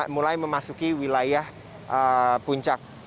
mulai memasuki wilayah puncak